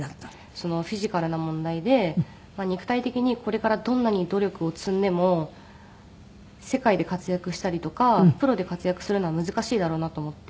フィジカルな問題で肉体的にこれからどんなに努力を積んでも世界で活躍したりとかプロで活躍するのは難しいだろうなと思って。